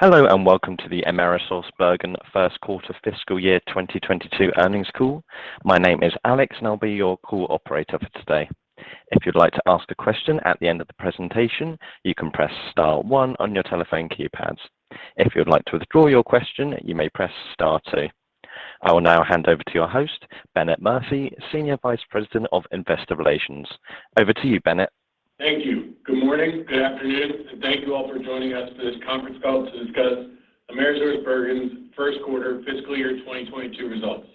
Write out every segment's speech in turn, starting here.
Hello and welcome to the AmerisourceBergen first quarter fiscal year 2022 earnings call. My name is Alex and I'll be your call operator for today. If you'd like to ask a question at the end of the presentation, you can press star one on your telephone keypads. If you'd like to withdraw your question, you may press star two. I will now hand over to your host, Bennett Murphy, Senior Vice President of Investor Relations. Over to you, Bennett. Thank you. Good morning, good afternoon, and thank you all for joining us for this conference call to discuss AmerisourceBergen's first quarter fiscal year 2022 results.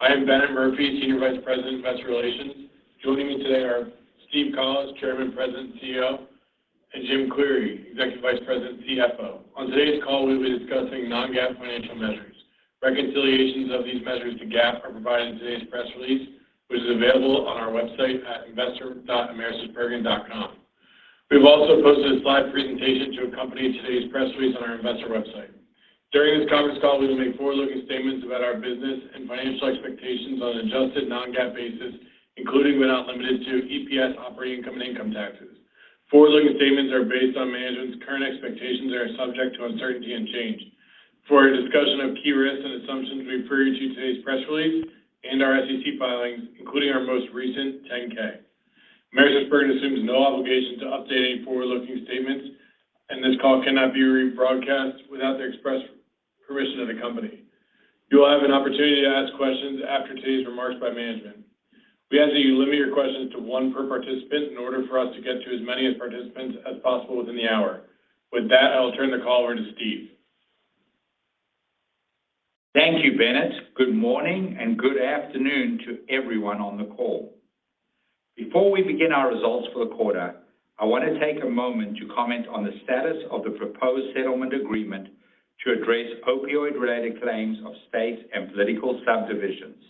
I am Bennett Murphy, Senior Vice President, Investor Relations. Joining me today are Steve Collis, Chairman, President, CEO, and Jim Cleary, Executive Vice President, CFO. On today's call, we'll be discussing non-GAAP financial measures. Reconciliations of these measures to GAAP are provided in today's press release, which is available on our website at investor.amerisourcebergen.com. We've also posted a slide presentation to accompany today's press release on our investor website. During this conference call, we will make forward-looking statements about our business and financial expectations on an adjusted non-GAAP basis, including but not limited to EPS, operating income, and income taxes. Forward-looking statements are based on management's current expectations and are subject to uncertainty and change. For a discussion of key risks and assumptions, we refer you to today's press release and our SEC filings, including our most recent 10-K. AmerisourceBergen assumes no obligation to update any forward-looking statements, and this call cannot be rebroadcast without the express permission of the company. You will have an opportunity to ask questions after today's remarks by management. We ask that you limit your questions to one per participant in order for us to get to as many participants as possible within the hour. With that, I will turn the call over to Steve. Thank you, Bennett. Good morning and good afternoon to everyone on the call. Before we begin our results for the quarter, I want to take a moment to comment on the status of the proposed settlement agreement to address opioid-related claims of states and political subdivisions.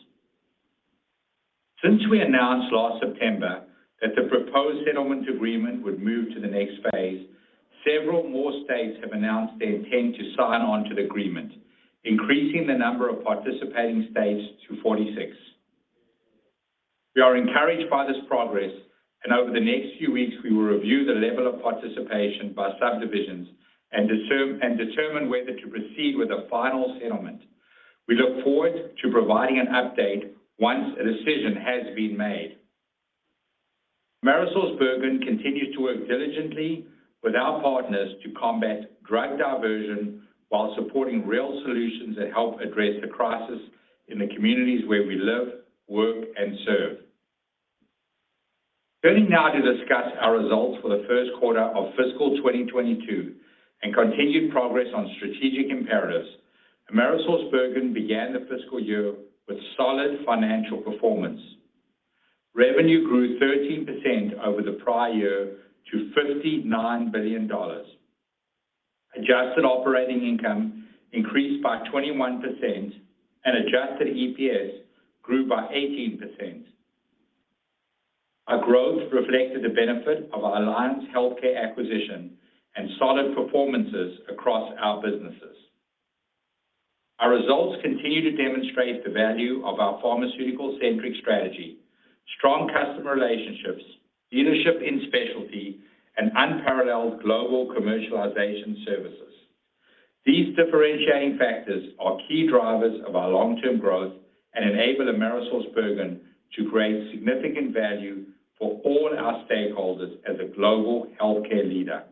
Since we announced last September that the proposed settlement agreement would move to the next phase, several more states have announced they intend to sign on to the agreement, increasing the number of participating states to 46. We are encouraged by this progress, and over the next few weeks, we will review the level of participation by subdivisions and determine whether to proceed with a final settlement. We look forward to providing an update once a decision has been made. AmerisourceBergen continues to work diligently with our partners to combat drug diversion while supporting real solutions that help address the crisis in the communities where we live, work, and serve. Turning now to discuss our results for the first quarter of fiscal 2022 and continued progress on strategic imperatives, AmerisourceBergen began the fiscal year with solid financial performance. Revenue grew 13% over the prior year to $59 billion. Adjusted operating income increased by 21% and adjusted EPS grew by 18%. Our growth reflected the benefit of our Alliance Healthcare acquisition and solid performances across our businesses. Our results continue to demonstrate the value of our pharmaceutical-centric strategy, strong customer relationships, leadership in specialty, and unparalleled global commercialization services. These differentiating factors are key drivers of our long-term growth and enable AmerisourceBergen to create significant value for all our stakeholders as a global healthcare leader.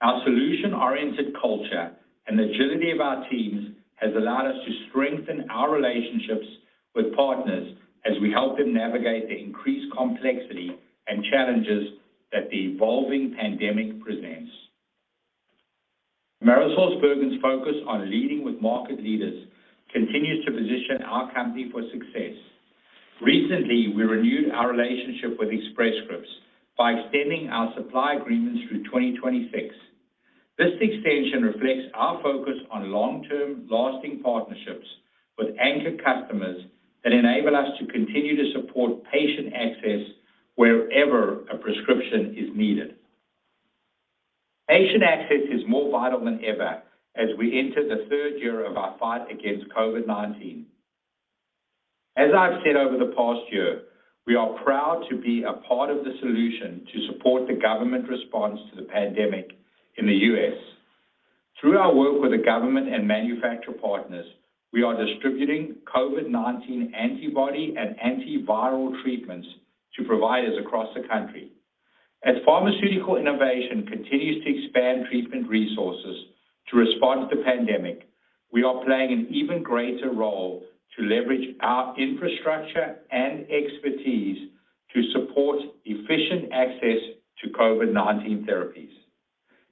Our solution-oriented culture and agility of our teams has allowed us to strengthen our relationships with partners as we help them navigate the increased complexity and challenges that the evolving pandemic presents. AmerisourceBergen's focus on leading with market leaders continues to position our company for success. Recently, we renewed our relationship with Express Scripts by extending our supply agreements through 2026. This extension reflects our focus on long-term, lasting partnerships with anchor customers that enable us to continue to support patient access wherever a prescription is needed. Patient access is more vital than ever as we enter the third year of our fight against COVID-19. As I've said over the past year, we are proud to be a part of the solution to support the government response to the pandemic in the U.S. Through our work with the government and manufacturer partners, we are distributing COVID-19 antibody and antiviral treatments to providers across the country. As pharmaceutical innovation continues to expand treatment resources to respond to the pandemic, we are playing an even greater role to leverage our infrastructure and expertise to support efficient access to COVID-19 therapies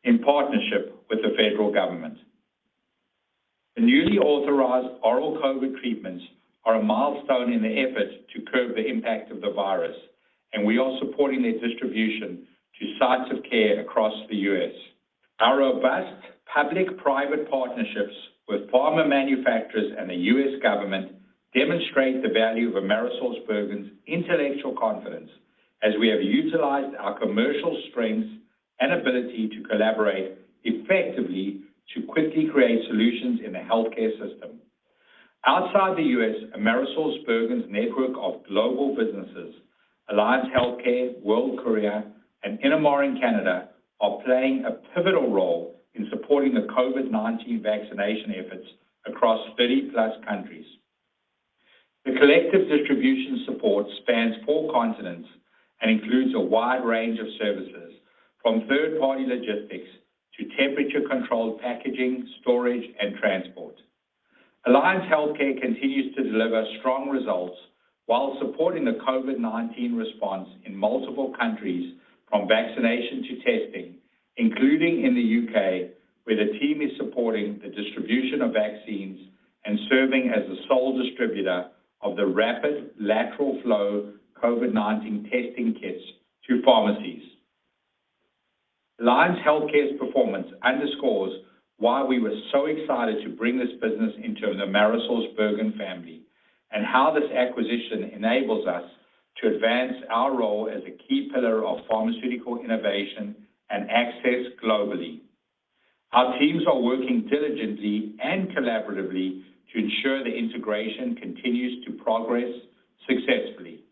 in partnership with the federal government. The newly authorized oral COVID treatments are a milestone in the effort to curb the impact of the virus, and we are supporting their distribution to sites of care across the U.S. Our robust public-private partnerships with pharma manufacturers and the U.S. government demonstrate the value of AmerisourceBergen's intellectual confidence as we have utilized our commercial strengths and ability to collaborate effectively to quickly create solutions in the healthcare system. Outside the U.S., AmerisourceBergen's network of global businesses, Alliance Healthcare, World Courier, and Innomar in Canada, are playing a pivotal role in supporting the COVID-19 vaccination efforts across 30-plus countries. The collective distribution support spans four continents and includes a wide range of services from third-party logistics to temperature-controlled packaging, storage, and transport. Alliance Healthcare continues to deliver strong results while supporting the COVID-19 response in multiple countries from vaccination to testing, including in the U.K., where the team is supporting the distribution of vaccines and serving as the sole distributor of the rapid lateral flow COVID-19 testing kits to pharmacies. Alliance Healthcare's performance underscores why we were so excited to bring this business into the AmerisourceBergen family and how this acquisition enables us to advance our role as a key pillar of pharmaceutical innovation and access globally. Our teams are working diligently and collaboratively to ensure the integration continues to progress successfully.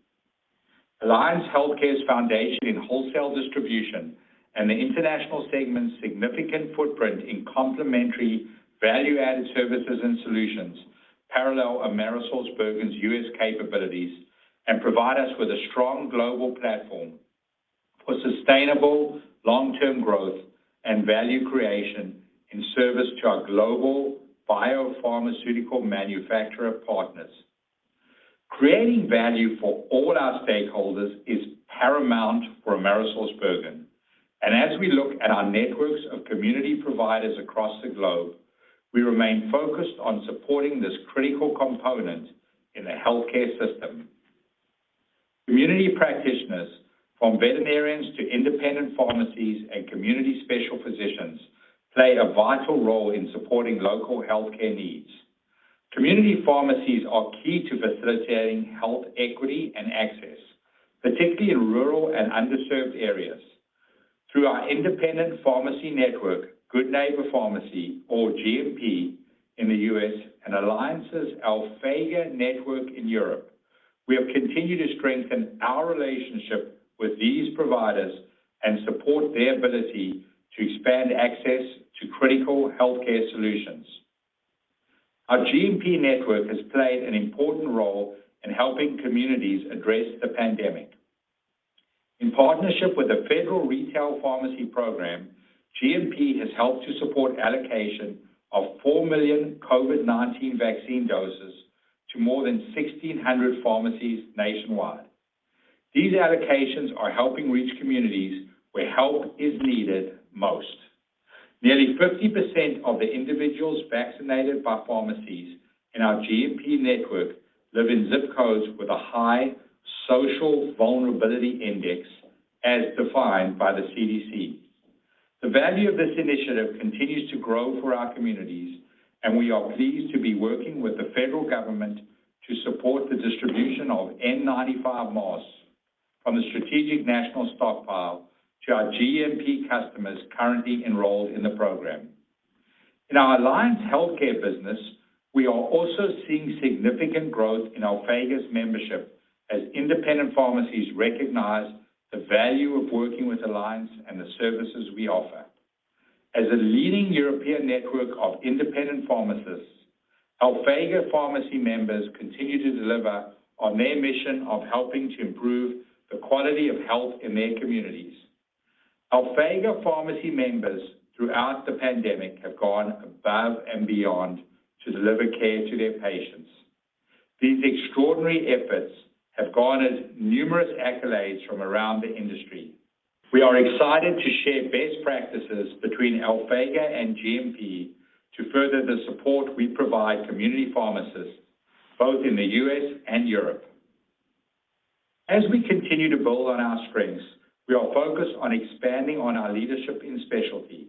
Alliance Healthcare's foundation in wholesale distribution and the international segment's significant footprint in complementary value-added services and solutions parallel AmerisourceBergen's U.S. capabilities and provide us with a strong global platform for sustainable long-term growth and value creation in service to our global biopharmaceutical manufacturer partners. Creating value for all our stakeholders is paramount for AmerisourceBergen, and as we look at our networks of community providers across the globe, we remain focused on supporting this critical component in the healthcare system. Community practitioners from veterinarians to independent pharmacies and community special physicians play a vital role in supporting local healthcare needs. Community pharmacies are key to facilitating health equity and access, particularly in rural and underserved areas. Through our independent pharmacy network, Good Neighbor Pharmacy or GNP in the U.S. and Alliance's Alphega network in Europe, we have continued to strengthen our relationship with these providers and support their ability to expand access to critical healthcare solutions. Our GNP network has played an important role in helping communities address the pandemic. In partnership with the Federal Retail Pharmacy Program, GNP has helped to support allocation of 4 million COVID-19 vaccine doses to more than 1,600 pharmacies nationwide. These allocations are helping reach communities where help is needed most. Nearly 50% of the individuals vaccinated by pharmacies in our GNP network live in ZIP codes with a high Social Vulnerability Index as defined by the CDC. The value of this initiative continues to grow for our communities, and we are pleased to be working with the federal government to support the distribution of N95 masks from the Strategic National Stockpile to our GNP customers currently enrolled in the program. In our Alliance Healthcare business, we are also seeing significant growth in Alphega's membership as independent pharmacies recognize the value of working with Alliance and the services we offer. As a leading European network of independent pharmacists, Alphega Pharmacy members continue to deliver on their mission of helping to improve the quality of health in their communities. Alphega Pharmacy members throughout the pandemic have gone above and beyond to deliver care to their patients. These extraordinary efforts have garnered numerous accolades from around the industry. We are excited to share best practices between Alphega and GNP to further the support we provide community pharmacists both in the U.S. and Europe. As we continue to build on our strengths, we are focused on expanding on our leadership in specialty.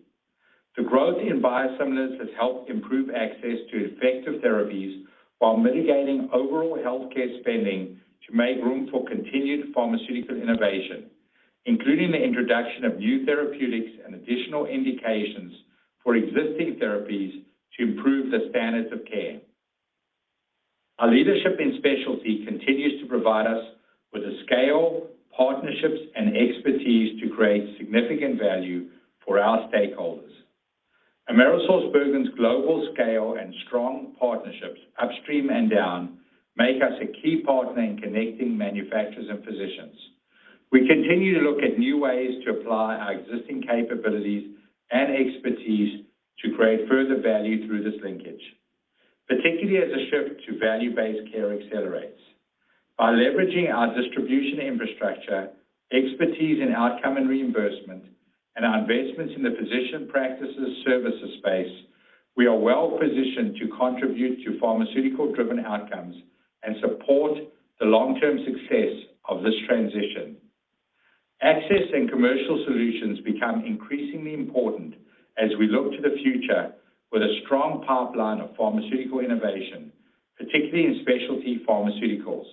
The growth in biosimilars has helped improve access to effective therapies while mitigating overall healthcare spending to make room for continued pharmaceutical innovation, including the introduction of new therapeutics and additional indications for existing therapies to improve the standards of care. Our leadership in specialty continues to provide us with the scale, partnerships, and expertise to create significant value for our stakeholders. AmerisourceBergen's global scale and strong partnerships upstream and down make us a key partner in connecting manufacturers and physicians. We continue to look at new ways to apply our existing capabilities and expertise to create further value through this linkage, particularly as a shift to value-based care accelerates. By leveraging our distribution infrastructure, expertise in outcome and reimbursement, and our investments in the physician practices services space, we are well positioned to contribute to pharmaceutical-driven outcomes and support the long-term success of this transition. Access and commercial solutions become increasingly important as we look to the future with a strong pipeline of pharmaceutical innovation, particularly in specialty pharmaceuticals.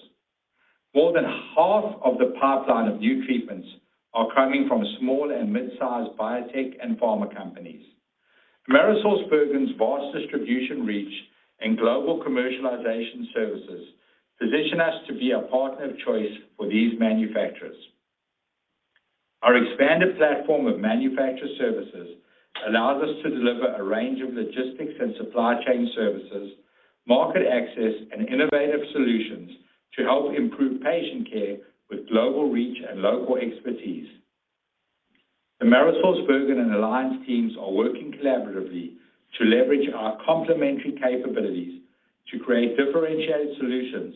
More than half of the pipeline of new treatments are coming from small and mid-sized biotech and pharma companies. AmerisourceBergen's vast distribution reach and global commercialization services position us to be a partner of choice for these manufacturers. Our expanded platform of manufacturer services allows us to deliver a range of logistics and supply chain services, market access, and innovative solutions to help improve patient care with global reach and local expertise. AmerisourceBergen and Alliance teams are working collaboratively to leverage our complementary capabilities to create differentiated solutions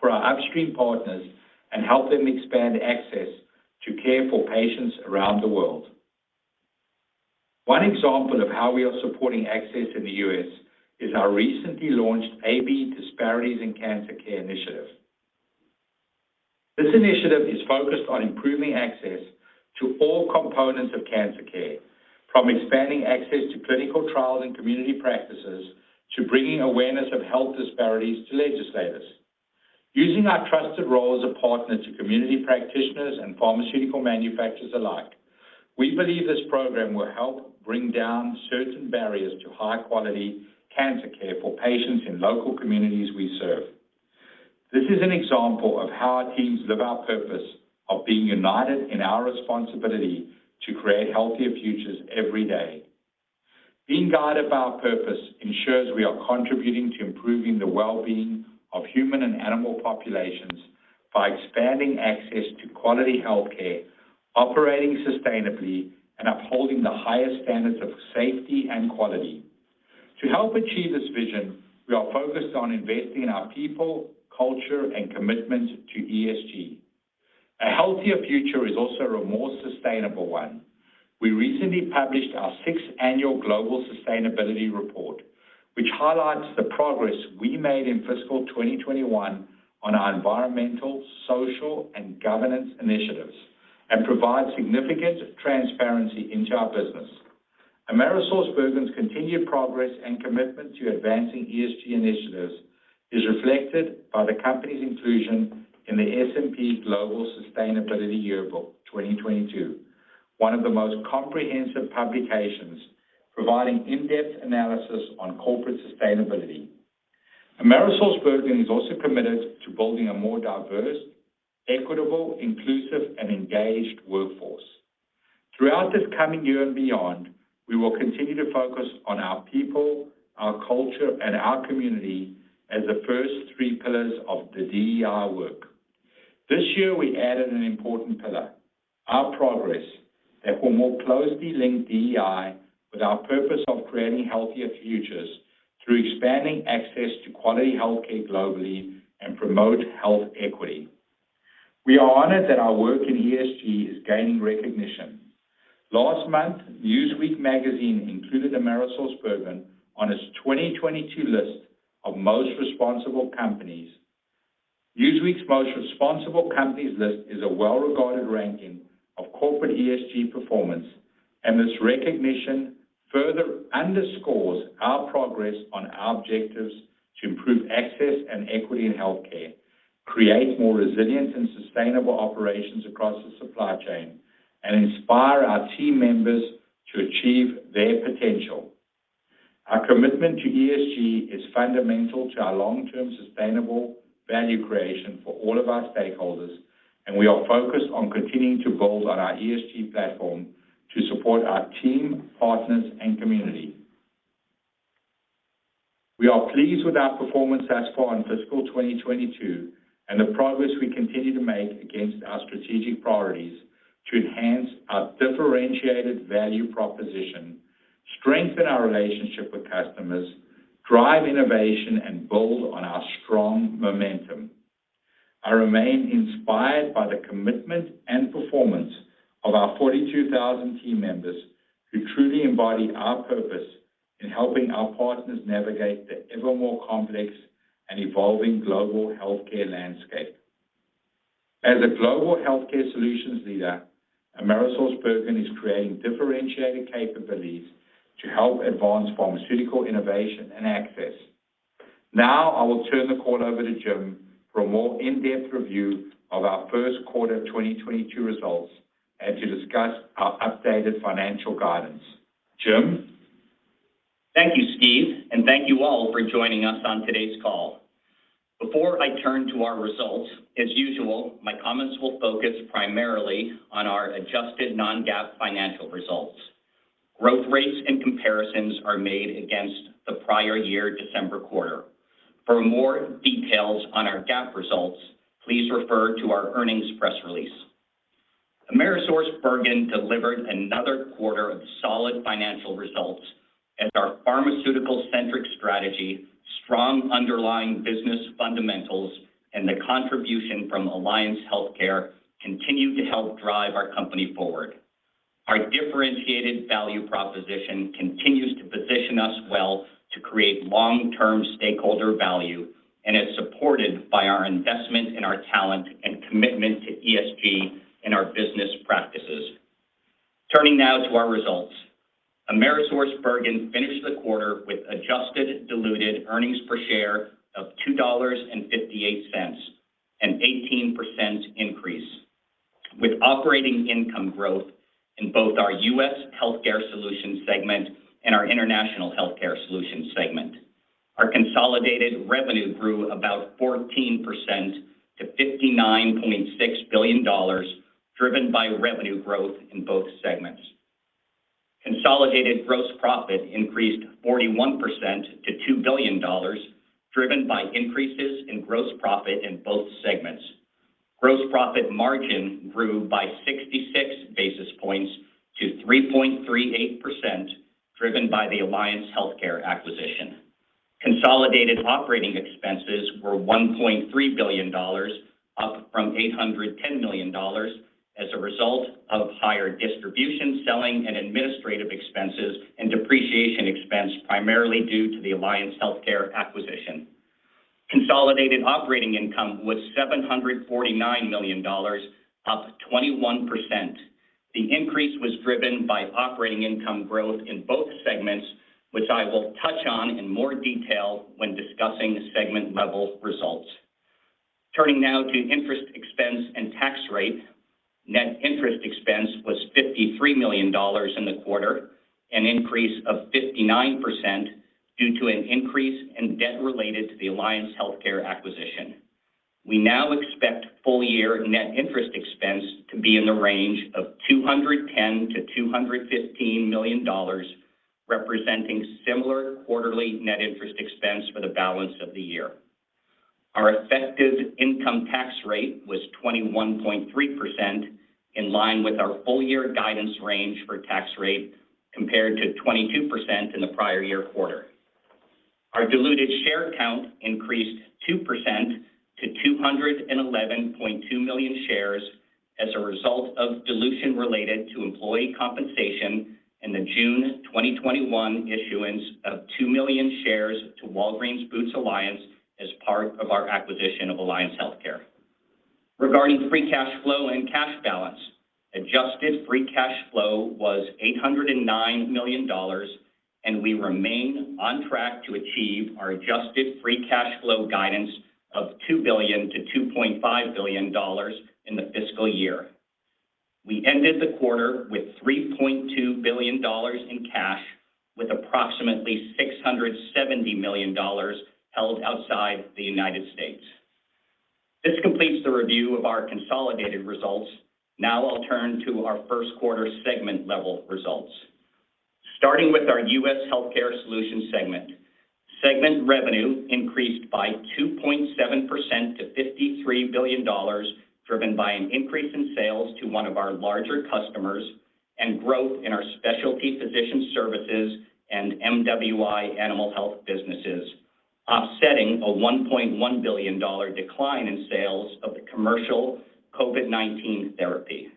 for our upstream partners and help them expand access to care for patients around the world. One example of how we are supporting access in the U.S. is our recently launched AB Disparities in Cancer Care initiative. This initiative is focused on improving access to all components of cancer care, from expanding access to clinical trials and community practices to bringing awareness of health disparities to legislators. Using our trusted role as a partner to community practitioners and pharmaceutical manufacturers alike, we believe this program will help bring down certain barriers to high-quality cancer care for patients in local communities we serve. This is an example of how our teams live our purpose of being united in our responsibility to create healthier futures every day. Being guided by our purpose ensures we are contributing to improving the well-being of human and animal populations by expanding access to quality health care, operating sustainably, and upholding the highest standards of safety and quality. To help achieve this vision, we are focused on investing in our people, culture, and commitment to ESG. A healthier future is also a more sustainable one. We recently published our sixth annual Global Sustainability Report, which highlights the progress we made in fiscal 2021 on our environmental, social, and governance initiatives and provides significant transparency into our business. AmerisourceBergen's continued progress and commitment to advancing ESG initiatives is reflected by the company's inclusion in the S&P Global Sustainability Yearbook 2022, one of the most comprehensive publications providing in-depth analysis on corporate sustainability. AmerisourceBergen is also committed to building a more diverse, equitable, inclusive, and engaged workforce. Throughout this coming year and beyond, we will continue to focus on our people, our culture, and our community as the first three pillars of the DEI work. This year we added an important pillar, our progress, that will more closely link DEI with our purpose of creating healthier futures through expanding access to quality health care globally and promote health equity. We are honored that our work in ESG is gaining recognition. Last month, Newsweek included AmerisourceBergen on its 2022 list of America's Most Responsible Companies. Newsweek's America's Most Responsible Companies list is a well-regarded ranking of corporate ESG performance, and this recognition further underscores our progress on our objectives to improve access and equity in health care, create more resilient and sustainable operations across the supply chain, and inspire our team members to achieve their potential. Our commitment to ESG is fundamental to our long-term sustainable value creation for all of our stakeholders, and we are focused on continuing to build on our ESG platform to support our team, partners, and community. We are pleased with our performance thus far in fiscal 2022 and the progress we continue to make against our strategic priorities to enhance our differentiated value proposition, strengthen our relationship with customers, drive innovation, and build on our strong momentum. I remain inspired by the commitment and performance of our 42,000 team members who truly embody our purpose in helping our partners navigate the ever more complex and evolving global healthcare landscape. As a global healthcare solutions leader, Cencora is creating differentiated capabilities to help advance pharmaceutical innovation and access. Now, I will turn the call over to Jim for a more in-depth review of our first quarter 2022 results and to discuss our updated financial guidance. Jim? Thank you, Steve, and thank you all for joining us on today's call. Before I turn to our results, as usual, my comments will focus primarily on our adjusted non-GAAP financial results. Growth rates and comparisons are made against the prior year December quarter. For more details on our GAAP results, please refer to our earnings press release. AmerisourceBergen delivered another quarter of solid financial results as our pharmaceutical-centric strategy, strong underlying business fundamentals, and the contribution from Alliance Healthcare continue to help drive our company forward. Our differentiated value proposition continues to position us well to create long-term stakeholder value and is supported by our investment in our talent and commitment to ESG in our business practices. Turning now to our results. AmerisourceBergen finished the quarter with adjusted diluted earnings per share of $2.58, an 18% increase with operating income growth in both our U.S. Healthcare Solutions segment and our International Healthcare Solutions segment. Our consolidated revenue grew about 14% to $59.6 billion, driven by revenue growth in both segments. Consolidated gross profit increased 41% to $2 billion, driven by increases in gross profit in both segments. Gross profit margin grew by 66 basis points to 3.38%, driven by the Alliance Healthcare acquisition. Consolidated operating expenses were $1.3 billion, up from $810 million as a result of higher distribution, selling, and administrative expenses, and depreciation expense, primarily due to the Alliance Healthcare acquisition. Consolidated operating income was $749 million, up 21%. The increase was driven by operating income growth in both segments, which I will touch on in more detail when discussing segment-level results. Turning now to interest expense and tax rate. Net interest expense was $53 million in the quarter, an increase of 59% due to an increase in debt related to the Alliance Healthcare acquisition. We now expect full year net interest expense to be in the range of $210 million-$215 million, representing similar quarterly net interest expense for the balance of the year. Our effective income tax rate was 21.3% in line with our full year guidance range for tax rate compared to 22% in the prior year quarter. Our diluted share count increased 2% to 211.2 million shares as a result of dilution related to employee compensation in the June 2021 issuance of 2 million shares to Walgreens Boots Alliance as part of our acquisition of Alliance Healthcare. Regarding free cash flow and cash balance, adjusted free cash flow was $809 million, and we remain on track to achieve our adjusted free cash flow guidance of $2 billion-$2.5 billion in the fiscal year. We ended the quarter with $3.2 billion in cash, with approximately $670 million held outside the United States. This completes the review of our consolidated results. Now I'll turn to our first quarter segment level results. Starting with our U.S. Healthcare Solutions segment. Segment revenue increased by 2.7% to $53 billion, driven by an increase in sales to one of our larger customers and growth in our Specialty Physician Services and MWI Animal Health businesses, offsetting a $1.1 billion decline in sales of the commercial COVID-19 therapy.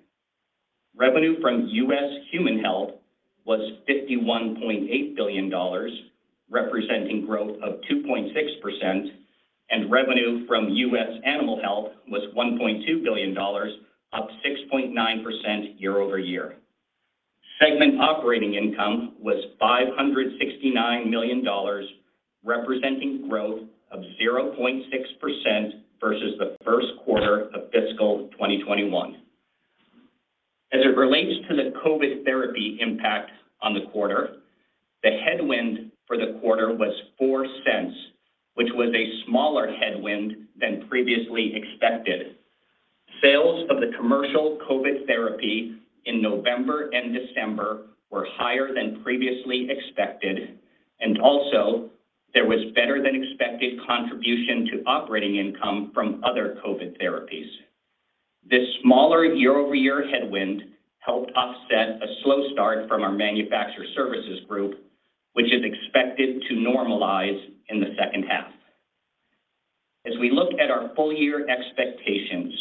Revenue from U.S. Human Health was $51.8 billion, representing growth of 2.6%, and revenue from U.S. Animal Health was $1.2 billion, up 6.9% year-over-year. Segment operating income was $569 million, representing growth of 0.6% versus the first quarter of fiscal 2021. As it relates to the COVID therapy impact on the quarter, the headwind for the quarter was $0.04, which was a smaller headwind than previously expected. Sales of the commercial COVID therapy in November and December were higher than previously expected, and also there was better than expected contribution to operating income from other COVID therapies. This smaller year-over-year headwind helped offset a slow start from our manufacturer services group, which is expected to normalize in the second half. As we look at our full year expectations,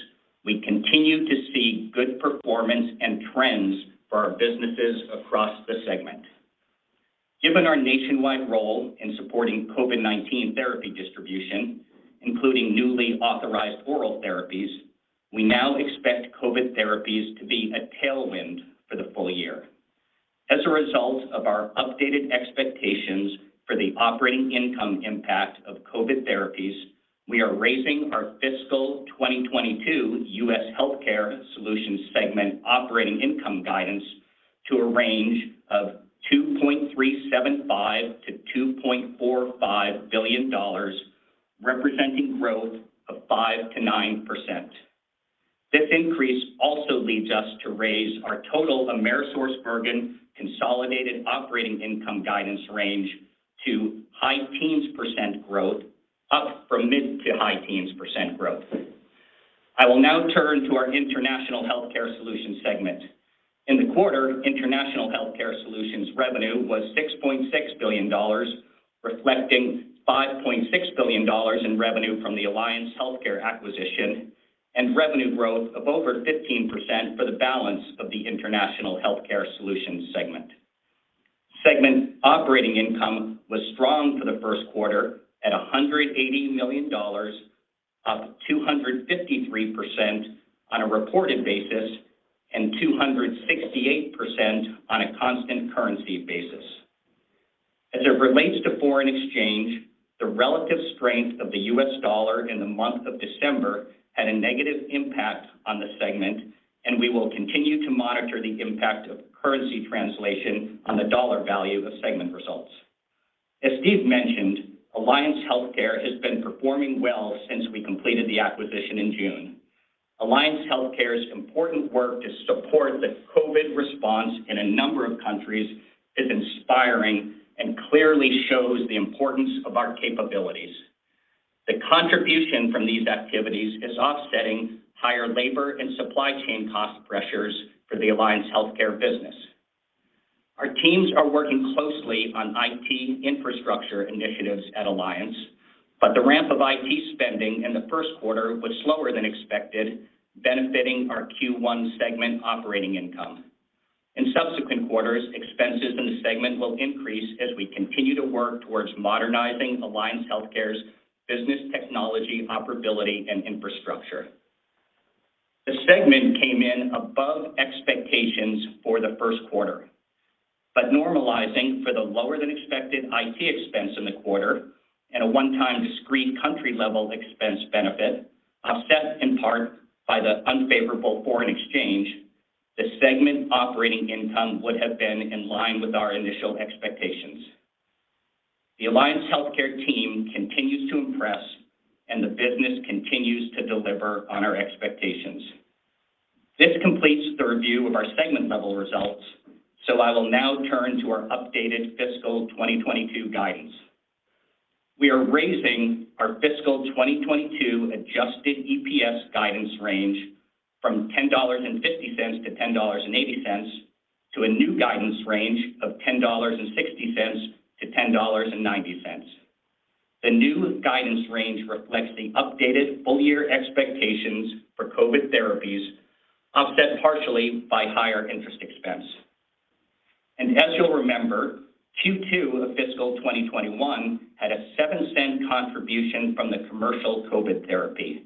we continue to see good performance and trends for our businesses across the segment. Given our nationwide role in supporting COVID-19 therapy distribution, including newly authorized oral therapies, we now expect COVID therapies to be a tailwind for the full year. As a result of our updated expectations for the operating income impact of COVID therapies, we are raising our fiscal 2022 U.S. Healthcare Solutions segment operating income guidance to a range of $2.375 billion-$2.45 billion, representing growth of 5%-9%. This increase also leads us to raise our total AmerisourceBergen consolidated operating income guidance range to high-teens% growth, up from mid- to high-teens% growth. I will now turn to our International Healthcare Solutions segment. In the quarter, International Healthcare Solutions revenue was $6.6 billion, reflecting $5.6 billion in revenue from the Alliance Healthcare acquisition and revenue growth of over 15% for the balance of the International Healthcare Solutions segment. Segment operating income was strong for the first quarter at $180 million, up 253% on a reported basis and 268% on a constant currency basis. As it relates to foreign exchange, the relative strength of the U.S. dollar in the month of December had a negative impact on the segment, and we will continue to monitor the impact of currency translation on the dollar value of segment results. As Steve mentioned, Alliance Healthcare has been performing well since we completed the acquisition in June. Alliance Healthcare's important work to support the COVID response in a number of countries is inspiring and clearly shows the importance of our capabilities. The contribution from these activities is offsetting higher labor and supply chain cost pressures for the Alliance Healthcare business. Our teams are working closely on IT infrastructure initiatives at Alliance, but the ramp of IT spending in the first quarter was slower than expected, benefiting our Q1 segment operating income. In subsequent quarters, expenses in the segment will increase as we continue to work towards modernizing Alliance Healthcare's business technology, operability, and infrastructure. The segment came in above expectations for the first quarter. Normalizing for the lower than expected IT expense in the quarter and a one-time discrete country-level expense benefit, offset in part by the unfavorable foreign exchange, the segment operating income would have been in line with our initial expectations. The Alliance Healthcare team continues to impress, and the business continues to deliver on our expectations. This completes the review of our segment-level results, so I will now turn to our updated fiscal 2022 guidance. We are raising our fiscal 2022 adjusted EPS guidance range from $10.50-$10.80 to a new guidance range of $10.60-$10.90. The new guidance range reflects the updated full-year expectations for COVID therapies, offset partially by higher interest expense. As you'll remember, Q2 of fiscal 2021 had a $0.07 contribution from the commercial COVID therapy.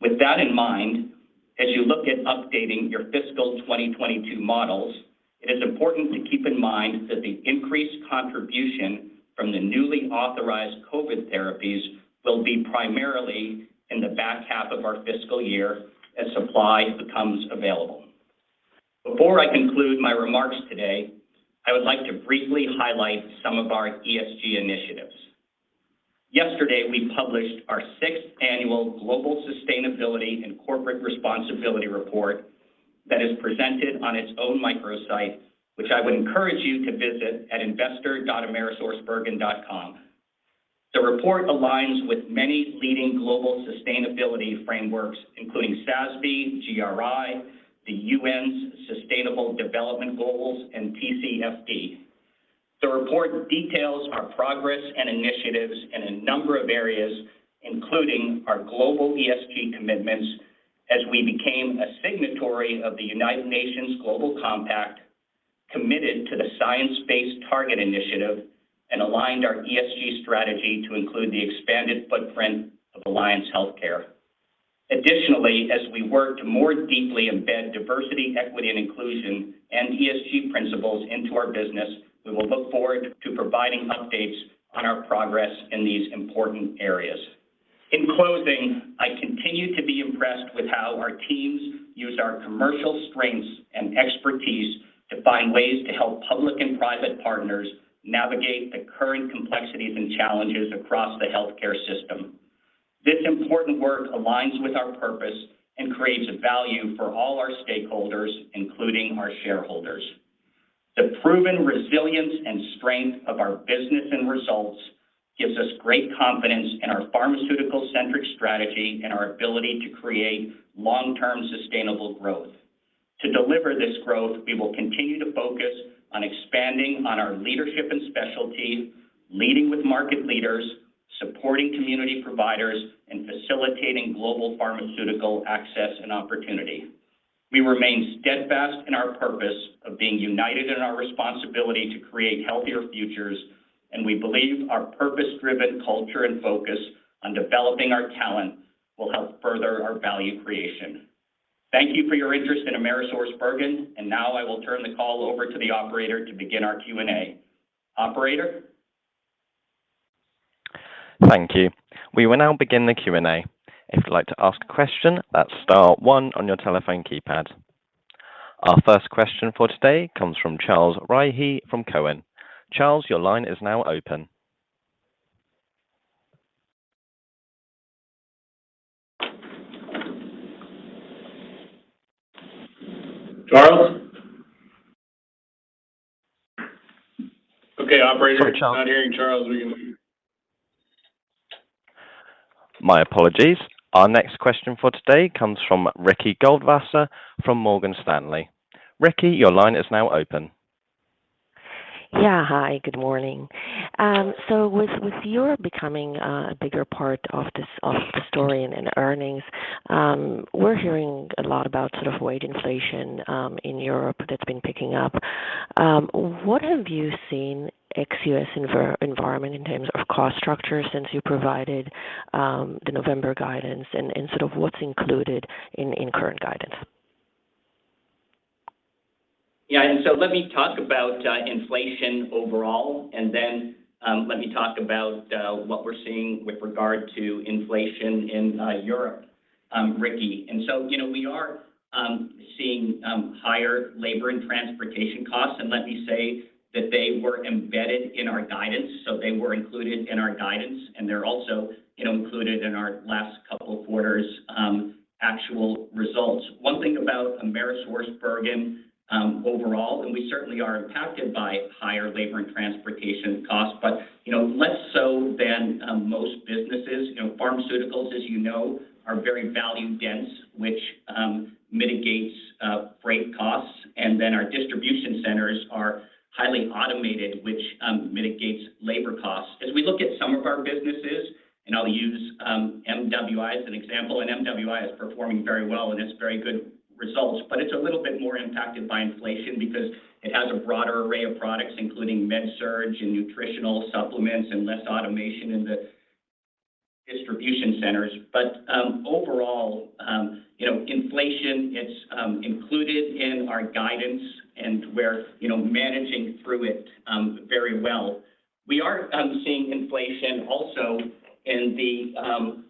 With that in mind, as you look at updating your fiscal 2022 models, it is important to keep in mind that the increased contribution from the newly authorized COVID therapies will be primarily in the back half of our fiscal year as supply becomes available. Before I conclude my remarks today, I would like to briefly highlight some of our ESG initiatives. Yesterday, we published our sixth annual Global Sustainability and Corporate Responsibility Report that is presented on its own microsite, which I would encourage you to visit at investor.amerisourcebergen.com. The report aligns with many leading global sustainability frameworks, including SASB, GRI, the UN's Sustainable Development Goals, and TCFD. The report details our progress and initiatives in a number of areas, including our global ESG commitments as we became a signatory of the United Nations Global Compact, committed to the Science Based Targets initiative, and aligned our ESG strategy to include the expanded footprint of Alliance Healthcare. Additionally, as we work to more deeply embed diversity, equity, and inclusion and ESG principles into our business, we will look forward to providing updates on our progress in these important areas. In closing, I continue to be impressed with how our teams use our commercial strengths and expertise to find ways to help public and private partners navigate the current complexities and challenges across the healthcare system. This important work aligns with our purpose and creates value for all our stakeholders, including our shareholders. The proven resilience and strength of our business and results gives us great confidence in our pharmaceutical-centric strategy and our ability to create long-term sustainable growth. To deliver this growth, we will continue to focus on expanding on our leadership and specialty, leading with market leaders, supporting community providers, and facilitating global pharmaceutical access and opportunity. We remain steadfast in our purpose of being united in our responsibility to create healthier futures, and we believe our purpose-driven culture and focus on developing our talent will help further our value creation. Thank you for your interest in AmerisourceBergen, and now I will turn the call over to the operator to begin our Q&A. Operator. Thank you. We will now begin the Q&A. If you'd like to ask a question, that's star one on your telephone keypad. Our first question for today comes from Charles Rhyee from TD Cowen. Charles, your line is now open. Charles? Okay, operator. Sorry, Charles. I'm not hearing Charles. Are you? My apologies. Our next question for today comes from Ricky Goldwasser from Morgan Stanley. Ricky, your line is now open. Yeah. Hi, good morning. With Europe becoming a bigger part of the story in earnings, we're hearing a lot about sort of wage inflation in Europe that's been picking up. What have you seen ex-U.S. environment in terms of cost structure since you provided the November guidance and sort of what's included in current guidance? Let me talk about inflation overall, and then let me talk about what we're seeing with regard to inflation in Europe, Ricky. You know, we are seeing higher labor and transportation costs, and let me say that they were embedded in our guidance. They were included in our guidance, and they're also, you know, included in our last couple of quarters' actual results. One thing about AmerisourceBergen overall, and we certainly are impacted by higher labor and transportation costs, but, you know, less so than most businesses. You know, pharmaceuticals, as you know, are very value-dense, which mitigates freight costs. Our distribution centers are highly automated, which mitigates labor costs. As we look at some of our businesses, and I'll use MWI as an example, and MWI is performing very well, and it's very good results, but it's a little bit more impacted by inflation because it has a broader array of products, including med-surg and nutritional supplements and less automation in the distribution centers. Overall, you know, inflation, it's included in our guidance, and we're, you know, managing through it very well. We are seeing inflation also in the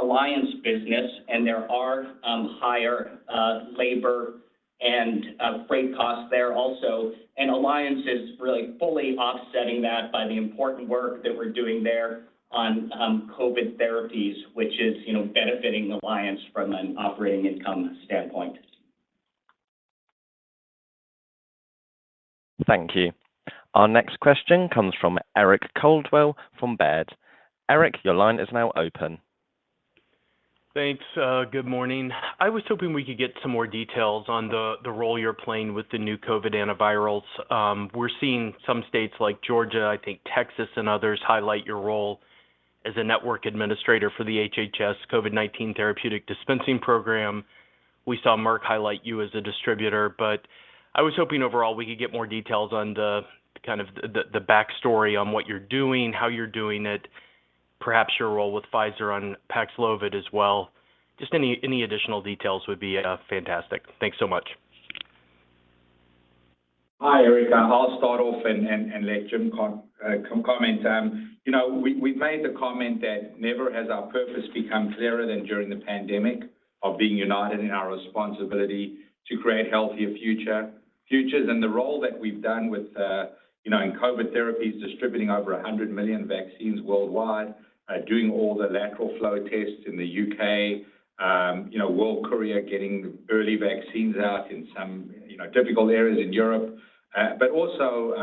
Alliance business, and there are higher labor and freight costs there also. Alliance is really fully offsetting that by the important work that we're doing there on COVID therapies, which is, you know, benefiting Alliance from an operating income standpoint. Thank you. Our next question comes from Eric Coldwell from Baird. Eric, your line is now open. Thanks. Good morning. I was hoping we could get some more details on the role you're playing with the new COVID antivirals. We're seeing some states like Georgia, I think Texas and others highlight your role as a network administrator for the HHS COVID-19 Therapeutics Program. We saw Merck highlight you as a distributor. I was hoping overall we could get more details on the kind of backstory on what you're doing, how you're doing it, perhaps your role with Pfizer on Paxlovid as well. Just any additional details would be fantastic. Thanks so much. Hi, Eric. I'll start off and let Jim come comment. We made the comment that never has our purpose become clearer than during the pandemic of being united in our responsibility to create healthier futures. The role that we've played in COVID therapies, distributing over 100 million vaccines worldwide, doing all the lateral flow tests in the U.K., World Courier, getting early vaccines out in some difficult areas in Europe. But also,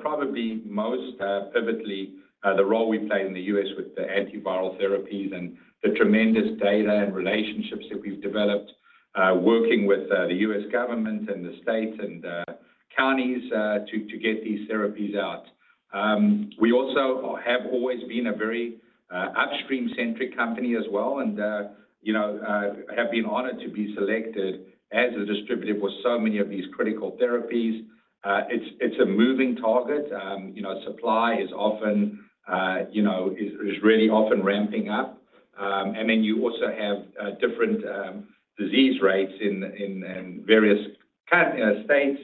probably most pivotally, the role we played in the U.S. with the antiviral therapies and the tremendous data and relationships that we've developed, working with the U.S. government and the states and counties, to get these therapies out. We also have always been a very upstream-centric company as well, and you know have been honored to be selected as a distributor for so many of these critical therapies. It's a moving target. You know, supply is often really often ramping up. You also have different disease rates in various states.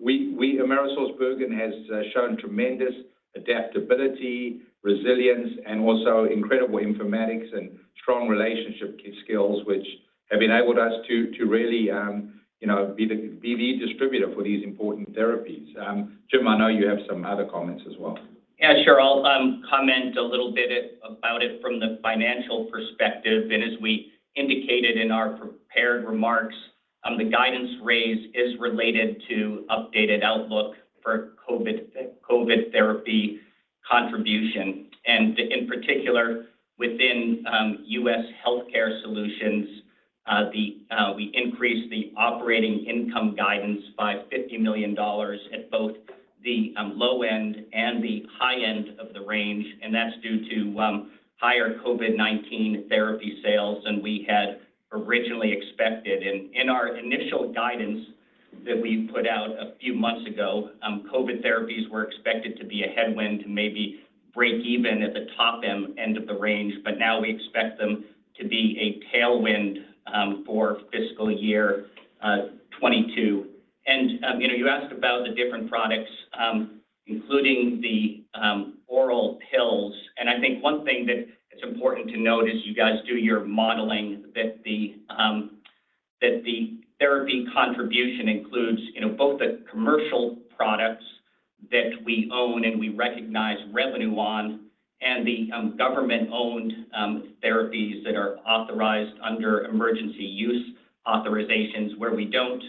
We AmerisourceBergen has shown tremendous adaptability, resilience, and also incredible informatics and strong relationship skills, which have enabled us to really you know be the distributor for these important therapies. Jim, I know you have some other comments as well. Yeah, sure. I'll comment a little bit about it from the financial perspective. As we indicated in our prepared remarks, the guidance raise is related to updated outlook for COVID therapy contribution. In particular, within U.S. Healthcare Solutions, we increased the operating income guidance by $50 million at both the low end and the high end of the range, and that's due to higher COVID-19 therapy sales than we had originally expected. In our initial guidance that we put out a few months ago, COVID therapies were expected to be a headwind to maybe break even at the top end of the range. But now we expect them to be a tailwind for fiscal year 2022. You know, you asked about the different products, including the oral pills. I think one thing that is important to note as you guys do your modeling that the therapy contribution includes, you know, both the commercial products that we own and we recognize revenue on and the government-owned therapies that are authorized under Emergency Use Authorizations where we don't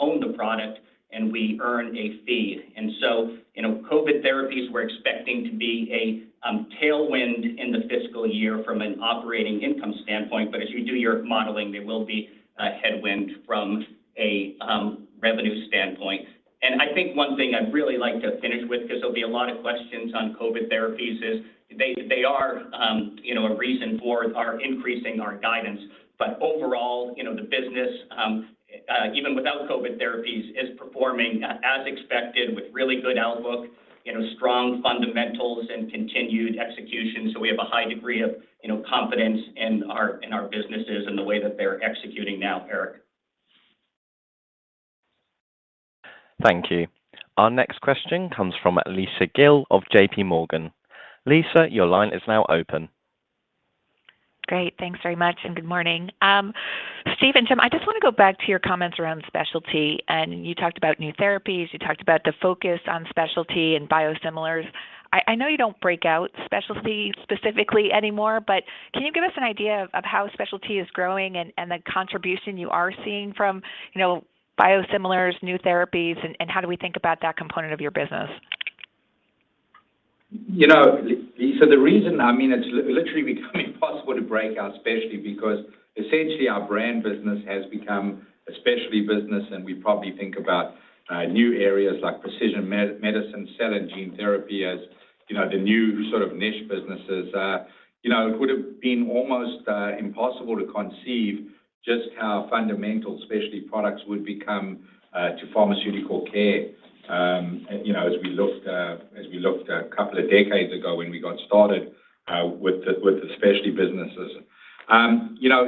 own the product and we earn a fee. You know, COVID therapies we're expecting to be a tailwind in the fiscal year from an operating income standpoint. As you do your modeling, they will be a headwind from a revenue standpoint. I think one thing I'd really like to finish with, because there'll be a lot of questions on COVID therapies, is they are, you know, a reason for our increasing our guidance. Overall. The business, even without COVID therapies, is performing as expected with really good outlook, you know, strong fundamentals and continued execution. We have a high degree of, you know, confidence in our businesses and the way that they're executing now, Eric. Thank you. Our next question comes from Lisa Gill of JPMorgan. Lisa, your line is now open. Great. Thanks very much, and good morning. Steve and Jim, I just wanna go back to your comments around specialty. You talked about new therapies. You talked about the focus on specialty and Biosimilars. I know you don't break out specialty specifically anymore, but can you give us an idea of how specialty is growing and the contribution you are seeing from, you know, Biosimilars, new therapies, and how do we think about that component of your business? You know, the reason I mean, it's literally becoming impossible to break out specialty because essentially our brand business has become a specialty business, and we probably think about new areas like precision medicine, cell and gene therapy as you know, the new sort of niche businesses. You know, it would've been almost impossible to conceive just how fundamental specialty products would become to pharmaceutical care. You know, as we looked a couple of decades ago when we got started with the specialty businesses. You know,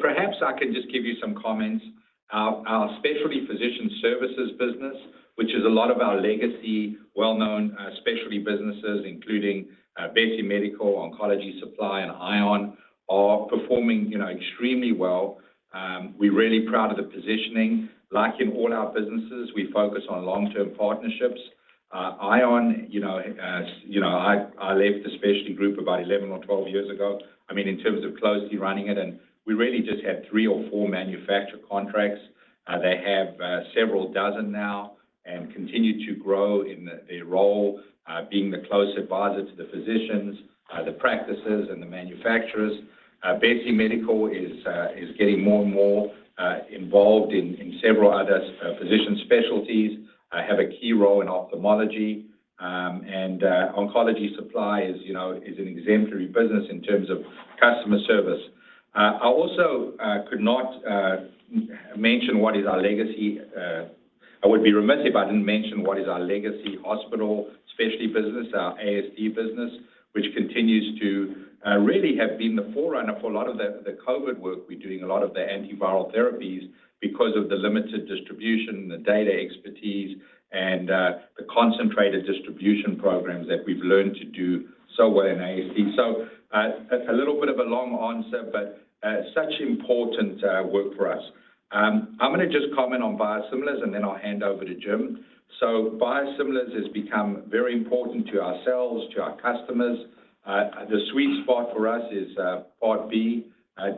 perhaps I can just give you some comments. Our Specialty Physician Services business, which is a lot of our legacy, well-known specialty businesses, including Besse Medical, Oncology Supply, and ION, are performing you know, extremely well. We're really proud of the positioning. Like in all our businesses, we focus on long-term partnerships. ION, you know, you know, I left the specialty group about 11 or 12 years ago, I mean, in terms of closely running it, and we really just had 3 or 4 manufacturer contracts. They have several dozen now and continue to grow in their role being the close advisor to the physicians, the practices, and the manufacturers. Besse Medical is getting more and more involved in several other physician specialties, have a key role in ophthalmology. Oncology Supply is, you know, an exemplary business in terms of customer service. I also could not mention what is our legacy. I would be remiss if I didn't mention what is our legacy hospital specialty business, our ASD business, which continues to really have been the forerunner for a lot of the COVID work we're doing, a lot of the antiviral therapies because of the limited distribution, the data expertise, and the concentrated distribution programs that we've learned to do so well in ASD. A little bit of a long answer, but such important work for us. I'm gonna just comment on biosimilars, and then I'll hand over to Jim. Biosimilars has become very important to ourselves, to our customers. The sweet spot for us is Part B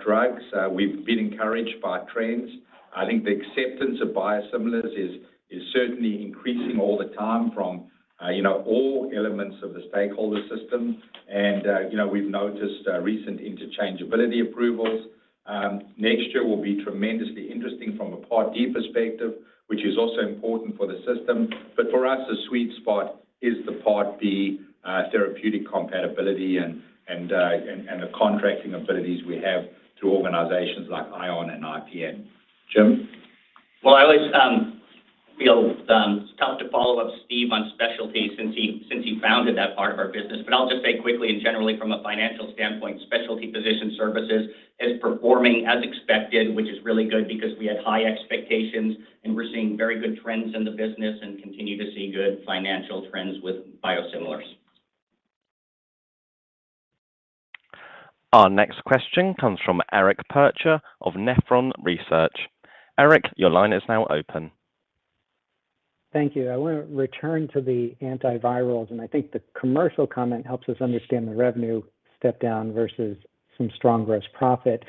drugs. We've been encouraged by trends. I think the acceptance of biosimilars is certainly increasing all the time from you know, all elements of the stakeholder system. You know, we've noticed recent interchangeability approvals. Next year will be tremendously interesting from a Part D perspective, which is also important for the system. For us, the sweet spot is the Part B therapeutic compatibility and the contracting abilities we have through organizations like ION and IPN. Jim? Well, I always feel it's tough to follow up Steve on specialty since he founded that part of our business. I'll just say quickly and generally from a financial standpoint, Specialty Physician Services is performing as expected, which is really good because we had high expectations, and we're seeing very good trends in the business and continue to see good financial trends with Biosimilars. Our next question comes from Eric Percher of Nephron Research. Eric, your line is now open. Thank you. I wanna return to the antivirals, and I think the commercial comment helps us understand the revenue step down versus some strong gross profit.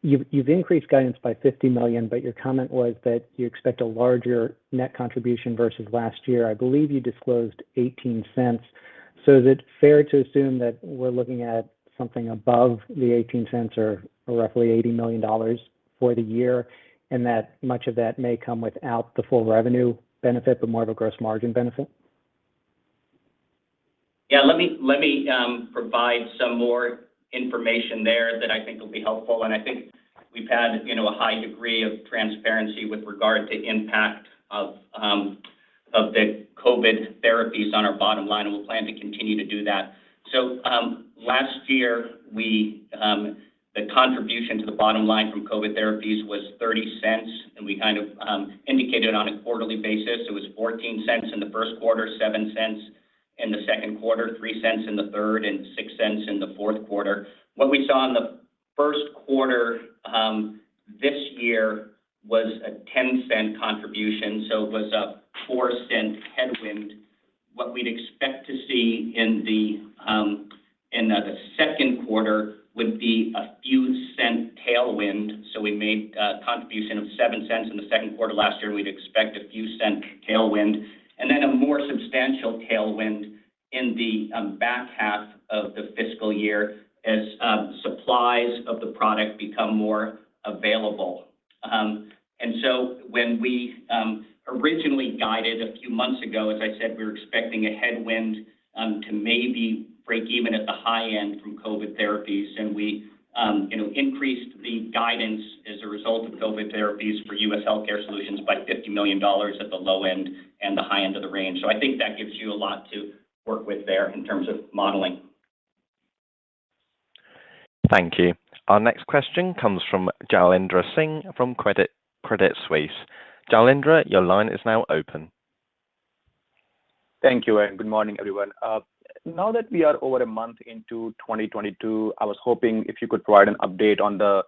You've increased guidance by $50 million, but your comment was that you expect a larger net contribution versus last year. I believe you disclosed 18 cents. Is it fair to assume that we're looking at something above the 18 cents or roughly $80 million for the year, and that much of that may come without the full revenue benefit, but more of a gross margin benefit? Yeah. Let me provide some more information there that I think will be helpful. I think we've had, you know, a high degree of transparency with regard to impact of the COVID therapies on our bottom line, and we'll plan to continue to do that. Last year, the contribution to the bottom line from COVID therapies was $0.30, and we kind of indicated on a quarterly basis. It was $0.14 in the first quarter, $0.07 in the second quarter, $0.03 in the third, and $0.06 in the fourth quarter. What we saw in the first quarter this year was a $0.10 contribution, so it was a $0.04 headwind. What we'd expect to see in the second quarter would be a few-cent tailwind. We made a contribution of $0.07 in the second quarter last year, and we'd expect a few cents tailwind, and then a more substantial tailwind in the back half of the fiscal year as supplies of the product become more available. When we originally guided a few months ago, as I said, we were expecting a headwind to maybe break even at the high end from COVID therapies. We you know, increased the guidance as a result of COVID therapies for U.S. Healthcare Solutions by $50 million at the low end and the high end of the range. I think that gives you a lot to work with there in terms of modeling. Thank you. Our next question comes from Jailendra Singh from Credit Suisse. Jailendra, your line is now open. Thank you, and good morning, everyone. Now that we are over a month into 2022, I was hoping if you could provide an update on the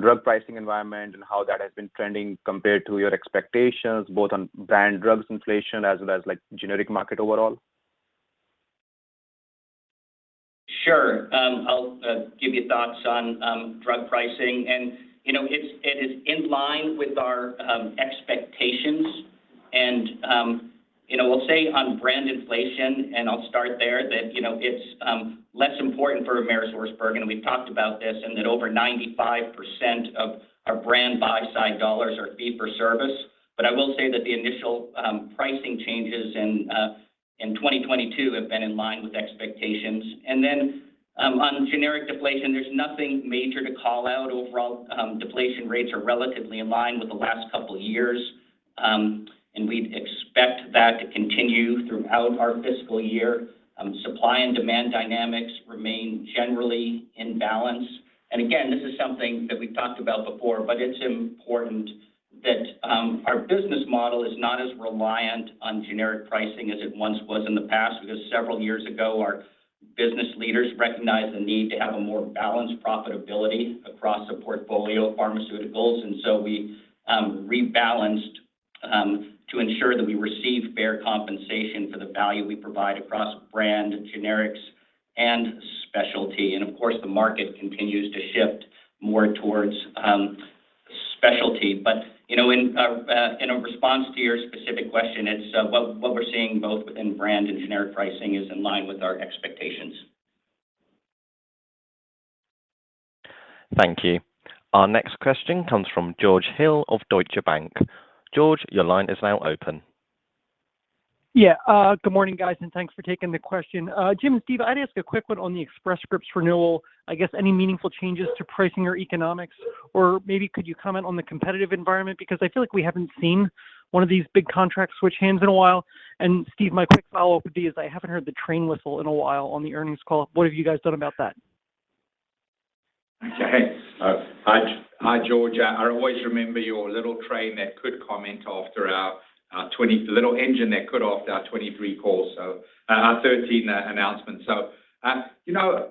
drug pricing environment and how that has been trending compared to your expectations, both on brand drugs inflation as well as, like, generic market overall. Sure. I'll give you thoughts on drug pricing. You know, it is in line with our expectations. You know, we'll say on brand inflation, and I'll start there, that you know, it's less important for AmerisourceBergen, and we've talked about this, and that over 95% of our brand buy-side dollars are fee-for-service. I will say that the initial pricing changes in 2022 have been in line with expectations. On generic deflation, there's nothing major to call out. Overall, deflation rates are relatively in line with the last couple of years. We'd expect that to continue throughout our fiscal year. Supply and demand dynamics remain generally in balance. Again, this is something that we've talked about before, but it's important that our business model is not as reliant on generic pricing as it once was in the past. Because several years ago, our business leaders recognized the need to have a more balanced profitability across the portfolio of pharmaceuticals. We rebalanced to ensure that we receive fair compensation for the value we provide across brand generics and specialty. Of course, the market continues to shift more towards specialty. You know, in a response to your specific question, it's what we're seeing both within brand and generic pricing is in line with our expectations. Thank you. Our next question comes from George Hill of Deutsche Bank. George, your line is now open. Good morning, guys, and thanks for taking the question. Jim, Steve, I'd ask a quick one on the Express Scripts renewal. I guess any meaningful changes to pricing or economics, or maybe could you comment on the competitive environment? Because I feel like we haven't seen one of these big contracts switch hands in a while. Steve, my quick follow-up would be is I haven't heard the train whistle in a while on the earnings call. What have you guys done about that? Okay. Hi, George. I always remember your little engine that could comment after our 2023 call, so our Q1 announcement. You know,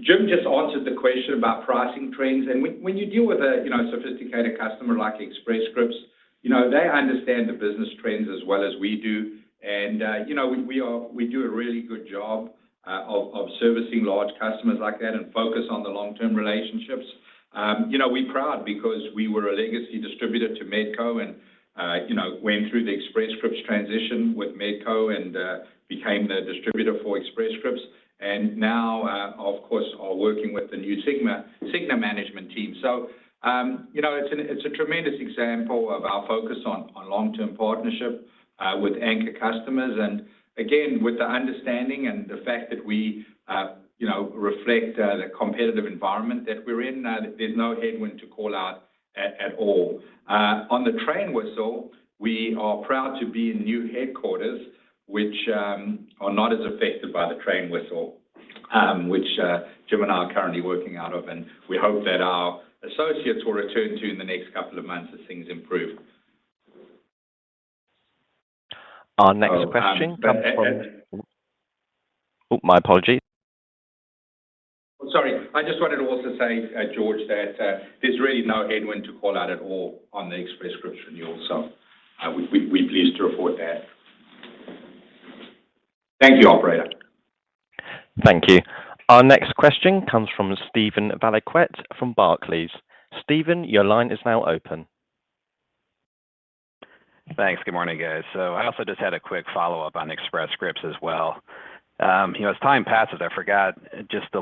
Jim just answered the question about pricing trends. When you deal with a sophisticated customer like Express Scripts, you know, they understand the business trends as well as we do. You know, we do a really good job of servicing large customers like that and focus on the long-term relationships. You know, we're proud because we were a legacy distributor to Medco and, you know, went through the Express Scripts transition with Medco and became the distributor for Express Scripts. Now, of course, we are working with the new Cigna management team. You know, it's a tremendous example of our focus on long-term partnership with anchor customers. Again, with the understanding and the fact that we you know reflect the competitive environment that we're in, there's no headwind to call out at all. On the train whistle, we are proud to be in new headquarters, which are not as affected by the train whistle, which Jim and I are currently working out of. We hope that our associates will return to in the next couple of months as things improve. Our next question comes from. Um, uh, a-and- Oh, my apology. Sorry. I just wanted to also say, George, that there's really no headwind to call out at all on the Express Scripts renewal, so we're pleased to report that. Thank you, operator. Thank you. Our next question comes from Steven Valiquette from Barclays. Steven, your line is now open. Thanks. Good morning, guys. I also just had a quick follow-up on Express Scripts as well. You know, as time passes, I forgot just the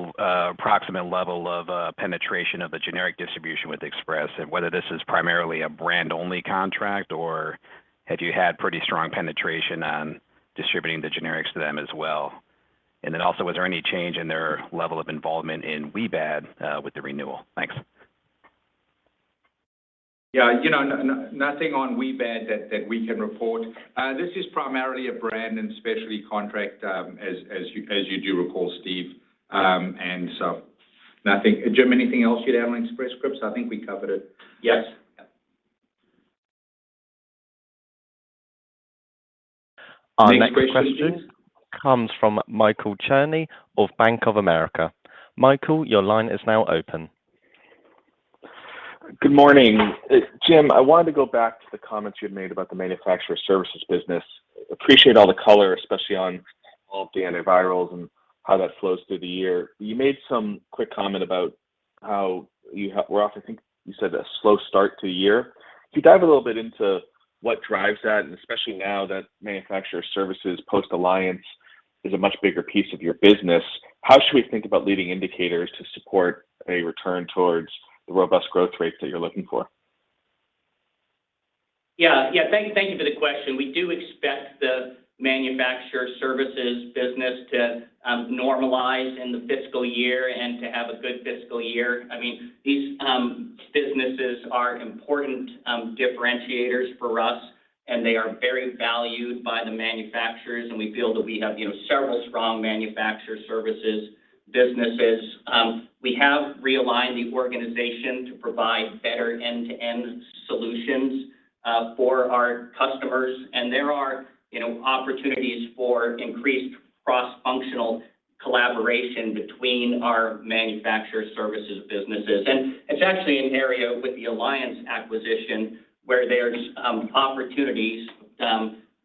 approximate level of penetration of the generic distribution with Express and whether this is primarily a brand-only contract or have you had pretty strong penetration on distributing the generics to them as well. Was there any change in their level of involvement in WBAD with the renewal? Thanks. Yeah. You know, nothing on WBAD that we can report. This is primarily a brand and specialty contract, as you do recall, Steve. Nothing. Jim, anything else you'd add on Express Scripts? I think we covered it. Yes. Our next question. Next question.... comes from Michael Cherny of Bank of America. Michael, your line is now open. Good morning. Jim, I wanted to go back to the comments you had made about the manufacturer services business. Appreciate all the color, especially on all of the antivirals and how that flows through the year. You made some quick comment about how we're off to a slow start to the year, I think you said. Can you dive a little bit into what drives that, and especially now that manufacturer services post-Alliance Is a much bigger piece of your business. How should we think about leading indicators to support a return towards the robust growth rate that you're looking for? Yeah. Thank you for the question. We do expect the manufacturer services business to normalize in the fiscal year and to have a good fiscal year. I mean, these businesses are important differentiators for us, and they are very valued by the manufacturers, and we feel that we have, you know, several strong manufacturer services businesses. We have realigned the organization to provide better end-to-end solutions for our customers. There are, you know, opportunities for increased cross-functional collaboration between our manufacturer services businesses. It's actually an area with the Alliance acquisition where there's opportunities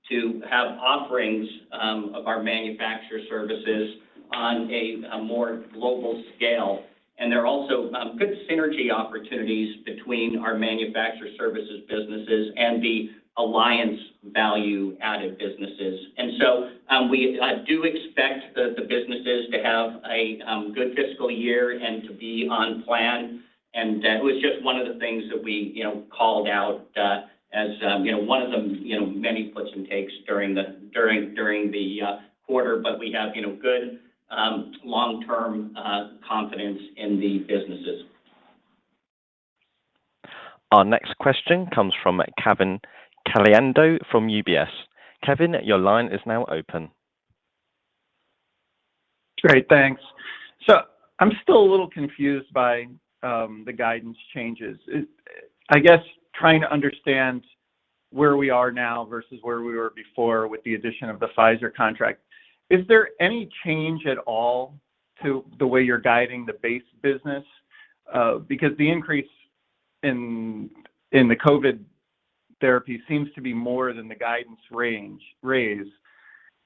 to have offerings of our manufacturer services on a more global scale. There are also good synergy opportunities between our manufacturer services businesses and the Alliance value-added businesses. I do expect the businesses to have a good fiscal year and to be on plan. That was just one of the things that we, you know, called out as, you know, one of the many puts and takes during the quarter. We have, you know, good long-term confidence in the businesses. Our next question comes from Kevin Caliendo from UBS. Kevin, your line is now open. Great. Thanks. I'm still a little confused by the guidance changes. I guess trying to understand where we are now versus where we were before with the addition of the Pfizer contract. Is there any change at all to the way you're guiding the base business? Because the increase in the COVID therapy seems to be more than the guidance raise.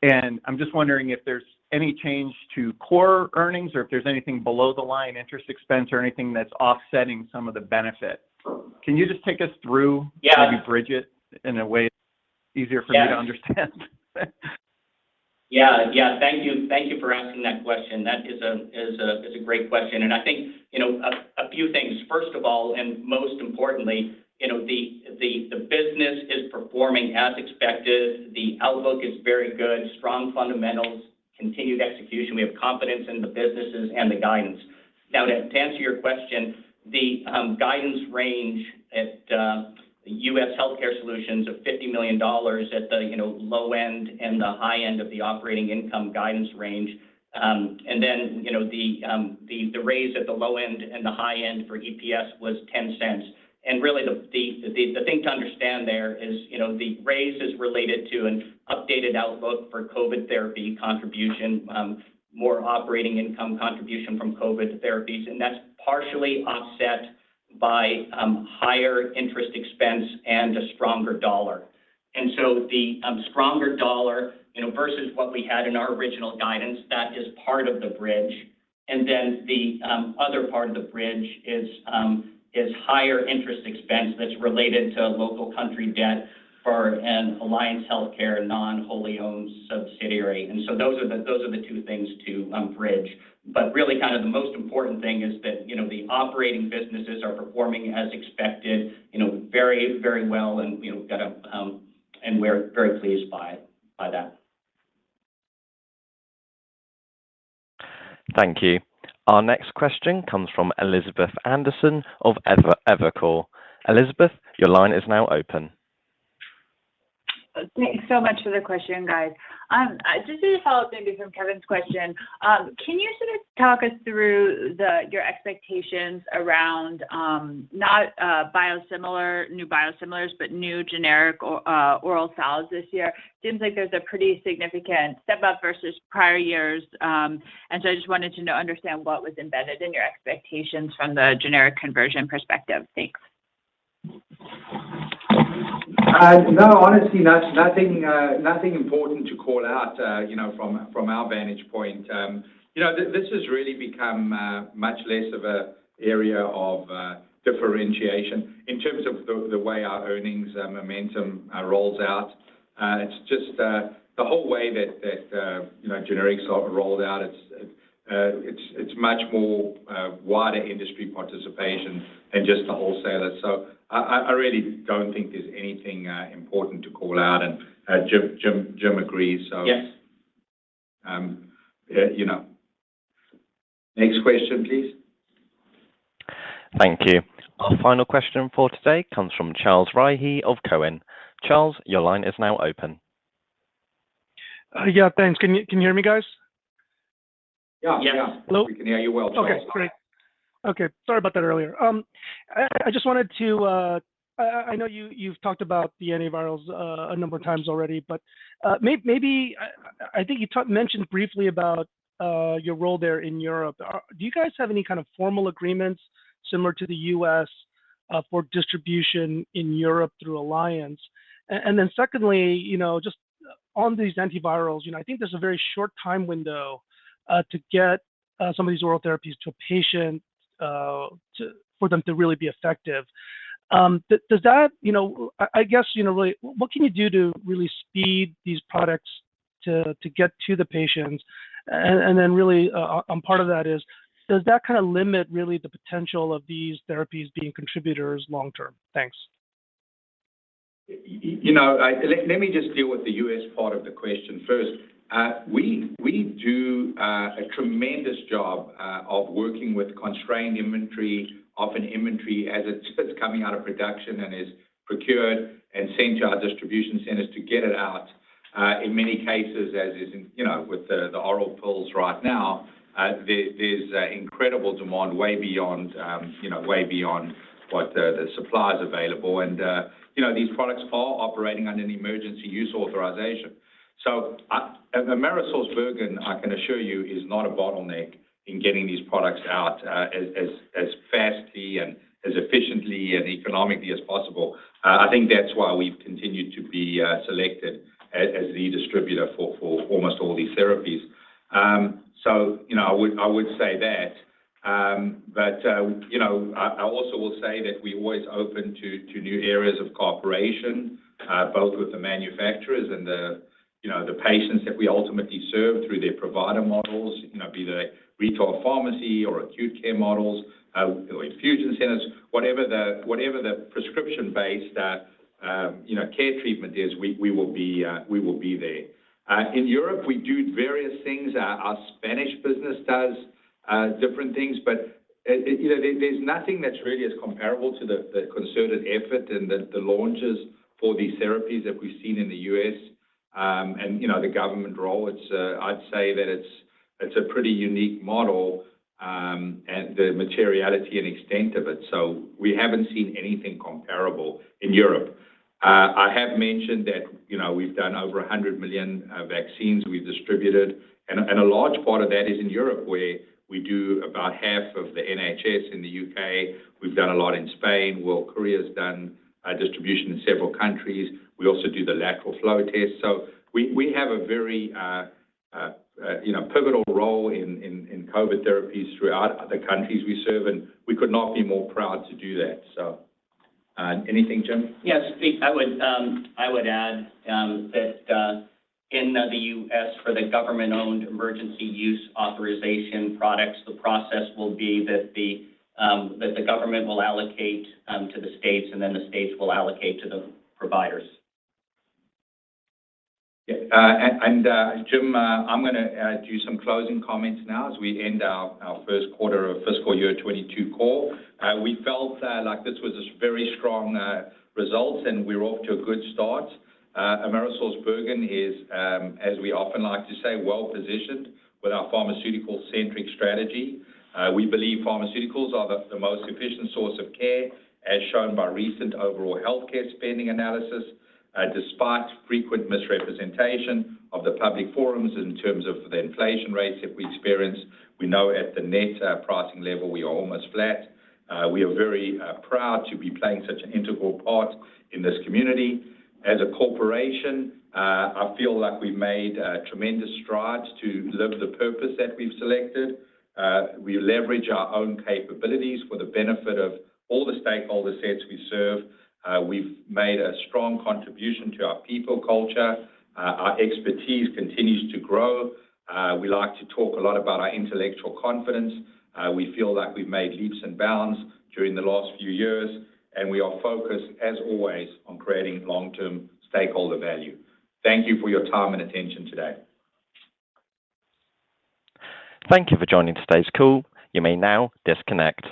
I'm just wondering if there's any change to core earnings or if there's anything below the line interest expense or anything that's offsetting some of the benefit. Can you just take us through- Yeah Maybe bridge it in a way that's easier for me to understand? Yeah. Thank you for asking that question. That is a great question. I think, you know, a few things. First of all, most importantly, you know, the business is performing as expected. The outlook is very good. Strong fundamentals, continued execution. We have confidence in the businesses and the guidance. Now, to answer your question, the guidance range at U.S. Healthcare Solutions of $50 million at the low end and the high end of the operating income guidance range. And then, the raise at the low end and the high end for EPS was $0.10. Really the thing to understand there is, you know, the raise is related to an updated outlook for COVID therapy contribution, more operating income contribution from COVID therapies, and that's partially offset by higher interest expense and a stronger dollar. The stronger dollar, you know, versus what we had in our original guidance, that is part of the bridge. The other part of the bridge is higher interest expense that's related to local country debt for an Alliance Healthcare non-wholly-owned subsidiary. Those are the two things to bridge. Really kind of the most important thing is that, you know, the operating businesses are performing as expected, you know, very well and we're very pleased by that. Thank you. Our next question comes from Elizabeth Anderson of Evercore. Elizabeth, your line is now open. Thanks so much for the question, guys. Just as a follow-up maybe from Kevin's question, can you sort of talk us through your expectations around not biosimilar, new biosimilars, but new generic oral solids this year? Seems like there's a pretty significant step up versus prior years, and so I just wanted to know, understand what was embedded in your expectations from the generic conversion perspective. Thanks. No, honestly, nothing important to call out, you know, from our vantage point. You know, this has really become much less of an area of differentiation in terms of the way our earnings momentum rolls out. It's just the whole way that you know, generics are rolled out, it's much wider industry participation than just the wholesalers. I really don't think there's anything important to call out. Jim agrees. Yes. Yeah, you know. Next question, please. Thank you. Our final question for today comes from Charles Rhyee of Cowen. Charles, your line is now open. Yeah. Thanks. Can you hear me, guys? Yeah. Yeah. Hello? We can hear you well, Charles. Okay, great. Sorry about that earlier. I just wanted to. I know you've talked about the antivirals a number of times already, but maybe I think you mentioned briefly about your role there in Europe. Do you guys have any kind of formal agreements similar to the U.S. for distribution in Europe through Alliance? And then secondly, you know, just on these antivirals, you know, I think there's a very short time window to get some of these oral therapies to a patient to for them to really be effective. Does that, you know, I guess, you know, really what can you do to really speed these products to get to the patients? Really, part of that is, does that kinda limit really the potential of these therapies being contributors long term? Thanks. You know, let me just deal with the U.S. part of the question first. We do a tremendous job of working with constrained inventory, often inventory as it's first coming out of production and is procured and sent to our distribution centers to get it out. In many cases, as is with the oral pills right now, there's incredible demand way beyond what the supply is available. You know, these products are operating under an Emergency Use Authorization. AmerisourceBergen, I can assure you, is not a bottleneck in getting these products out, as fastly and as efficiently and economically as possible. I think that's why we've continued to be selected as the distributor for almost all these therapies. I would say that. I also will say that we're always open to new areas of cooperation, both with the manufacturers and the patients that we ultimately serve through their provider models, you know, be they retail pharmacy or acute care models, or infusion centers. Whatever the prescription base that you know, care treatment is, we will be there. In Europe, we do various things. Our Spanish business does different things. You know, there's nothing that's really as comparable to the concerted effort and the launches for these therapies that we've seen in the U.S., and you know, the government role. It's... I'd say that it's a pretty unique model and the materiality and extent of it. We haven't seen anything comparable in Europe. I have mentioned that, you know, we've done over 100 million vaccines we've distributed, and a large part of that is in Europe where we do about half of the NHS in the U.K. We've done a lot in Spain. World Courier's done distribution in several countries. We also do the lateral flow test. We have a very, you know, pivotal role in COVID therapies throughout other countries we serve, and we could not be more proud to do that. Anything, Jim? Yes, Steve. I would add that in the U.S. for the government-owned Emergency Use Authorization products, the process will be that the government will allocate to the states, and then the states will allocate to the providers. Yeah, Jim, I'm gonna do some closing comments now as we end our first quarter of fiscal year 2022 call. We felt like this was a very strong result, and we're off to a good start. AmerisourceBergen is, as we often like to say, well-positioned with our pharmaceutical-centric strategy. We believe pharmaceuticals are the most efficient source of care, as shown by recent overall healthcare spending analysis, despite frequent misrepresentation of the public forums in terms of the inflation rates that we experience. We know at the net pricing level we are almost flat. We are very proud to be playing such an integral part in this community. As a corporation, I feel like we've made tremendous strides to live the purpose that we've selected. We leverage our own capabilities for the benefit of all the stakeholder sets we serve. We've made a strong contribution to our people culture. Our expertise continues to grow. We like to talk a lot about our intellectual confidence. We feel like we've made leaps and bounds during the last few years, and we are focused, as always, on creating long-term stakeholder value. Thank you for your time and attention today. Thank you for joining today's call. You may now disconnect.